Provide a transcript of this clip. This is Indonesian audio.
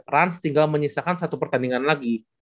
rans tinggal menyisakan satu pertandingan lagi